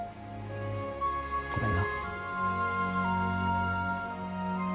ごめんな。